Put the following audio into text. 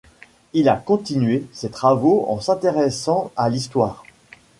Il a continué ses travaux en s'intéressant à l'histoire.